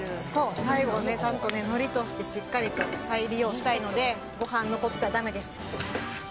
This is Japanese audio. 最後、ちゃんとのりとしてしっかりと再利用したいのでご飯が残ってはだめです。